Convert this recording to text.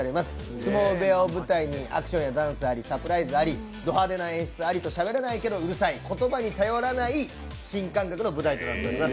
相撲部屋を舞台にアクションやダンスありサプライズあり、ド派手な演出ありとしゃべらないけどうるさい、言葉に頼らない新感覚の舞台となっています。